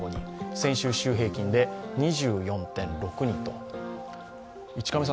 先週週平均で２４．６人と。